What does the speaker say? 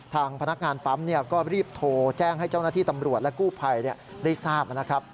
ทางพนักงานปั๊มก็รีบโทรแจ้งให้เจ้าหน้าที่ตำรวจและกู้ภัยได้ทราบนะครับ